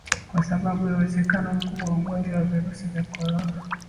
kwa sababu ya uwezekano mkubwa wa Ugonjwa wa Virusi vya Korona